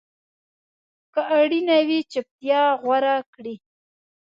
که اړینه وي، چپتیا غوره کړئ.